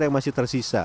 yang masih tersisa